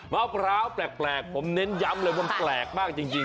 มะพร้าวแปลกผมเน้นย้ำเลยว่าแปลกมากจริง